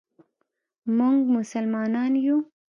مونږ مسلمانان یو.